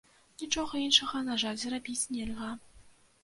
Нічога іншага, на жаль, зрабіць нельга.